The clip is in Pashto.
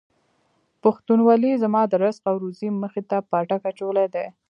پښتونولۍ زما د رزق او روزۍ مخې ته پاټک اچولی دی.